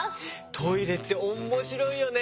トイレっておもしろいよね。